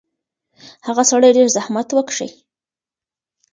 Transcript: هغه سړي ډېر زحمت وکښی.